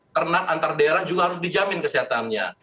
ternak antar daerah juga harus dijamin kesehatannya